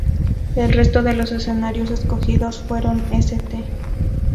El resto de los escenarios escogidos fueron St.